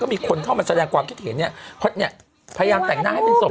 ก็มีคนเข้ามาแสดงความคิดเห็นเนี้ยเพราะเนี้ยพยายามแต่งหน้าให้เป็นสม